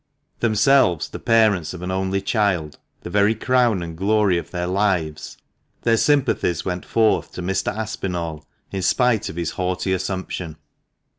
Themselves the parents of an only child, the very crown and glory of their lives, their sympathies went forth to Mr. Aspinall in spite of his haughty assumption.